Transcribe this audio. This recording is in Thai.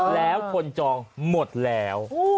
แล้วคนจองหมดแล้ว